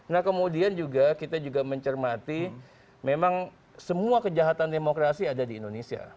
nah kemudian juga kita juga mencermati memang semua kejahatan demokrasi ada di indonesia